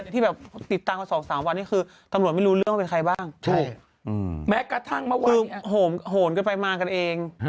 ที่ติดตามสองสามวันนี้คือตำรวจไม่รู้เรื่องว่าเป็นใครบ้าง